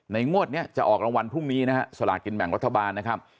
งวดนี้จะออกรางวัลพรุ่งนี้นะฮะสลากินแบ่งรัฐบาลนะครับ